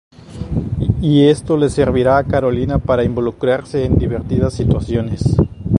Y esto les servirá a Carolina para involucrarse en divertidas situaciones.